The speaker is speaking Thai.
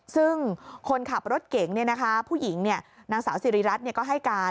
ซึ่งคนขับรถเก่งผู้หญิงนางสาวสิริรัตน์ก็ให้การ